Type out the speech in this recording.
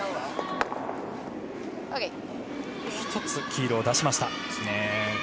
１つ黄色を出しました。